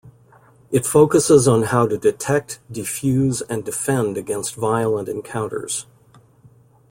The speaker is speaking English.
It focuses on how to Detect, De-fuse, and Defend against violent encounters.